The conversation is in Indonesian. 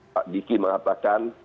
pak diki mengatakan